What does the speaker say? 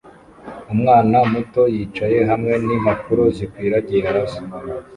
Umwana muto yicaye hamwe nimpapuro zikwiragiye hasi